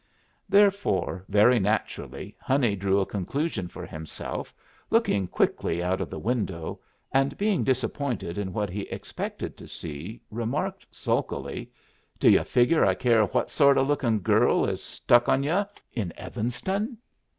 Therefore, very naturally, Honey drew a conclusion for himself, looked quickly out of the window, and, being disappointed in what he expected to see remarked, sulkily, "Do yu' figure I care what sort of a lookin' girl is stuck on yu' in Evanston?"